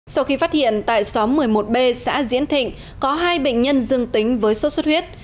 sau khi phát hiện tại xóm một mươi một b xã diễn thịnh có hai bệnh nhân dương tính với sốt xuất huyết